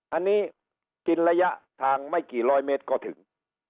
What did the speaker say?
อันนี้กินระยะทางไม่กี่ร้อยเมตรก็ถึง